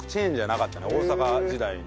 大阪時代に。